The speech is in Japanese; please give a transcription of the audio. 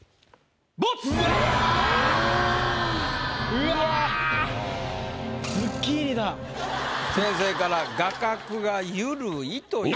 うわ先生から「画角が緩い」という。